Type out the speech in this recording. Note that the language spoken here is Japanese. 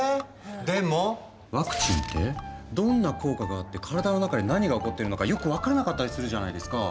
でもワクチンってどんな効果があって体の中で何が起こってるのかよく分からなかったりするじゃないですか。